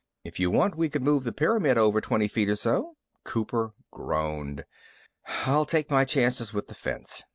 "If you want, we could move the pyramid over twenty feet or so." Cooper groaned. "I'll take my chances with the fence."